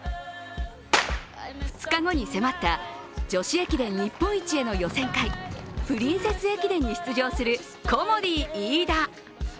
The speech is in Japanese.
２日後に迫った女子駅伝日本一への予選会プリンセス駅伝に出場するコモディイイダ。